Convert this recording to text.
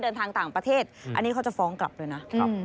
เดินทางต่างประเทศอันนี้เขาจะฟ้องกลับด้วยนะ